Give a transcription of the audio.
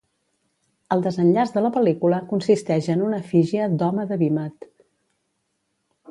El desenllaç de la pel·lícula consisteix en una efígie d'home de vímet.